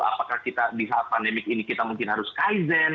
apakah kita di saat pandemik ini kita mungkin harus kaizen